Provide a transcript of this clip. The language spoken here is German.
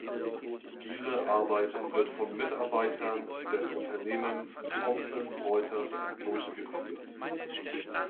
Diese Arbeit wird von Mitarbeitern des Unternehmens Thomson Reuters durchgeführt.